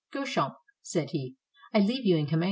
"Guechamp," said he, "I leave you in command.